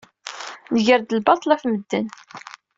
Nger-d lbaṭel ɣef medden.